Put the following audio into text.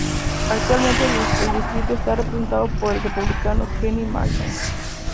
Actualmente el distrito está representado por el Republicano Kenny Marchant.